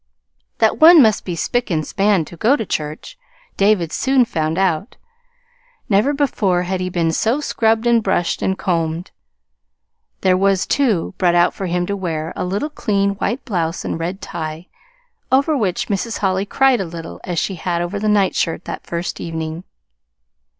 That one must be spick and span to go to church, David soon found out never before had he been so scrubbed and brushed and combed. There was, too, brought out for him to wear a little clean white blouse and a red tie, over which Mrs. Holly cried a little as she had over the nightshirt that first evening.